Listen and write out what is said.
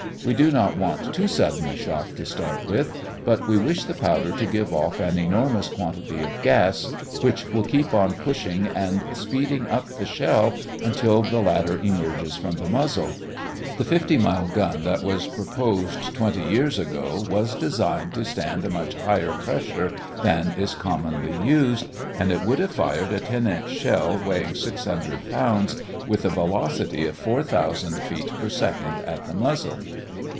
We do not want too sudden a shock to start with, but we wish the powder to give off an enormous quantity of gas which will keep on pushing and speeding up the shell until the latter emerges from the muzzle. The fifty mile gun that was proposed twenty years ago was designed to stand a much higher pressure than is commonly used, and it would have fired a 10 inch shell weighing 600 pounds with a velocity of 4,000 feet per second at the muzzle.